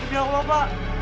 ya allah pak